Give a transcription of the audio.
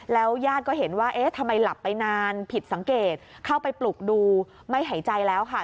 ญาติก็เห็นว่าเอ๊ะทำไมหลับไปนานผิดสังเกตเข้าไปปลุกดูไม่หายใจแล้วค่ะ